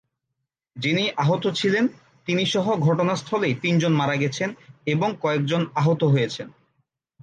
যিনি আহত ছিলেন তিনিসহ ঘটনাস্থলেই তিনজন মারা গেছেন এবং কয়েকজন আহত হয়েছেন।